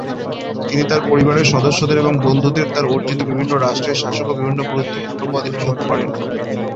তিনি তার পরিবারের সদস্যদের এবং বন্ধুদের তার অর্জিত বিভিন্ন রাষ্ট্রের শাসক এবং বিভিন্ন গুরুত্বপূর্ণ পদে নিয়োগ করেন।